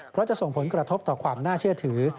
เพราะจะส่งผลกระทบต่อความน่าเชื่อถือ